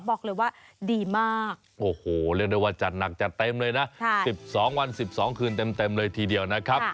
บอกเลยว่าดีมากโอ้โหเรียกได้ว่าจัดหนักจัดเต็มเลยนะ๑๒วัน๑๒คืนเต็มเลยทีเดียวนะครับ